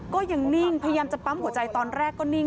ก็ยังนิ่งพยายามจะปั๊มหัวใจตอนแรกก็นิ่ง